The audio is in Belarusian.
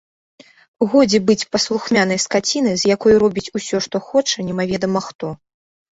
Годзе быць паслухмянай скацінай, з якой робіць усё, што хоча, немаведама хто!